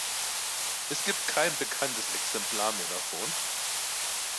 Es gibt kein bekanntes Exemplar mehr davon.